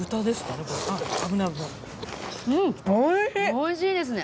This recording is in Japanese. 美味しいですね。